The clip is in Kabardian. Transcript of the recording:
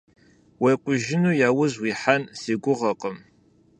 УекӀужыну яужь уихьэн си гугъэкъым.